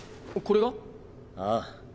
これが？ああ。